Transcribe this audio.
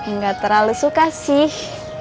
nggak terlalu suka sih